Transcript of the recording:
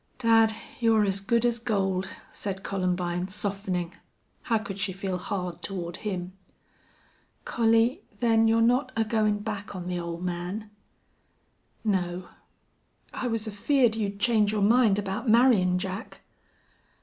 "Dad, you're as good as gold," said Columbine, softening. How could she feel hard toward him? "Collie, then you're not agoin' back on the ole man?" "No." "I was afeared you'd change your mind about marryin' Jack."